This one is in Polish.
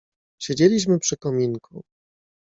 "Siedzieliśmy przy kominku."